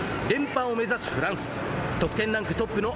連覇を目指すフランス。